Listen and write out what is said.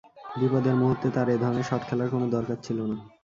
বিপদের মুহূর্তে তাঁর এ ধরণের শট খেলার কোনো দরকার ছিল না।